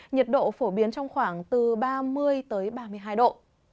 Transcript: nhiệt độ phổ biến trong khoảng từ ba mươi ba mươi hai độ